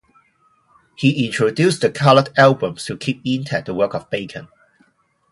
He introduced the coloured albums to keep intact the work of Bacon.